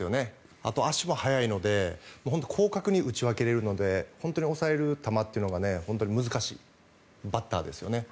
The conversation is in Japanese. あと、足も速いので広角に打ち分けられるので本当に抑える球が本当に難しいバッターですよね。